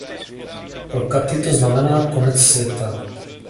Pro Katy to znamená konec světa.